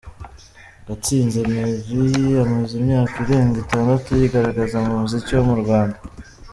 Gatsinzi Emery amaze imyaka irenga itandatu yigaragaza mu muziki wo mu Rwanda .